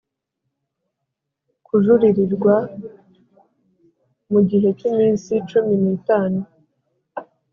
kujuririrwa mu gihe cy iminsi cumi n itanu